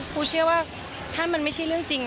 ครูเชื่อว่าถ้ามันไม่ใช่เรื่องจริง